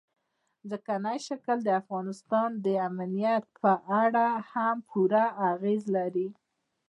ځمکنی شکل د افغانستان د امنیت په اړه هم پوره اغېز لري.